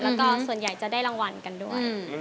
แล้วก็ส่วนใหญ่จะได้รางวัลกันด้วย